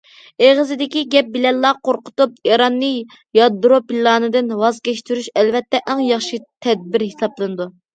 ئېغىزدىكى گەپ بىلەنلا قورقۇتۇپ، ئىراننى يادرو پىلانىدىن ۋاز كەچتۈرۈش ئەلۋەتتە ئەڭ ياخشى تەدبىر ھېسابلىنىدۇ.